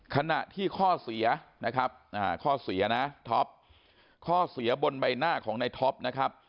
ขณะที่ข้อเสียนะครับข้อเสียนะท็อปข้อเสียบนใบหน้าของในท็อปนะครับ